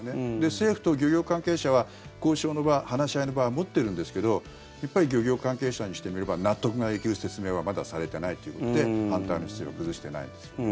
政府と漁業関係者は交渉の場話し合いの場は持ってるんですがやっぱり漁業関係者にしてみれば納得ができる説明はまだされてないということで反対の姿勢を崩してないんです。